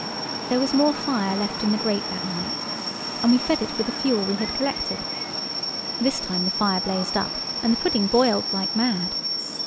There was more fire left in the grate that night, and we fed it with the fuel we had collected. This time the fire blazed up, and the pudding boiled like mad.